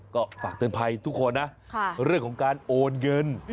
ก็ฝากเตือนภัยทุกคนนะเรื่องของการโอนเงิน